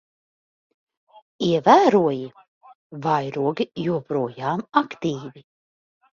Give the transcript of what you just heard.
Ievēroji? Vairogi joprojām aktīvi.